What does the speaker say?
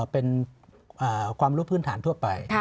เป็นความรู้พื้นฐานทั่วไป